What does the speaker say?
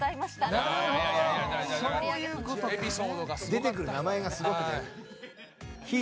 出てくる名前がすごい。